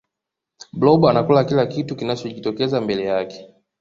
blob anakula kila kitu kinachojitokeza mbele yake